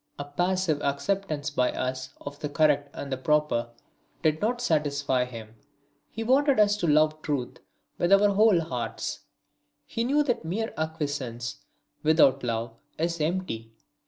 A passive acceptance by us of the correct and the proper did not satisfy him; he wanted us to love truth with our whole hearts; he knew that mere acquiescence without love is empty.